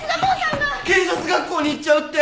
警察学校に行っちゃうって！